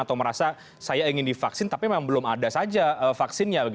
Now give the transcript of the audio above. atau merasa saya ingin divaksin tapi memang belum ada saja vaksinnya